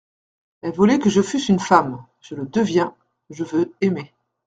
Elle voulait que je fusse une femme ; je le deviens ; je veux aimer.